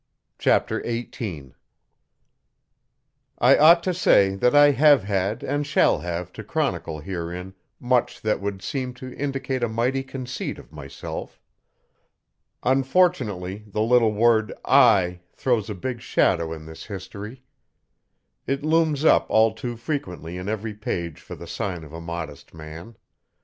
Chapter 18 I ought to say that I have had and shall have to chronicle herein much that would seem to indicate a mighty conceit of myself. Unfortunately the little word 'I' throws a big shadow in this history. It looms up all too frequently in every page for the sign of a modest man.